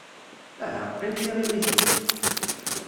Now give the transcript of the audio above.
Aha, qqim tiɣimit-ik!